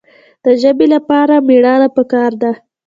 د ژبې لپاره مېړانه پکار ده.